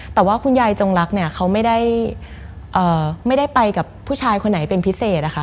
แต่ว่าคุณยายจงรักเนี่ยเขาไม่ได้ไปกับผู้ชายคนไหนเป็นพิเศษนะคะ